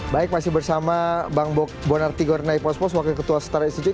baik masih bersama bang bonartigor nay pos pos wakil ketua setara institute